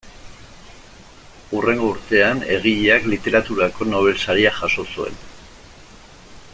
Hurrengo urtean egileak Literaturako Nobel Saria jaso zuen.